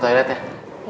saya jemput toilet ya